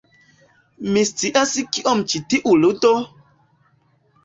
Mi scias kion ĉi tiu ludo...